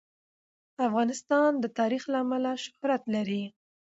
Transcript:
افغانستان د تاریخ له امله شهرت لري.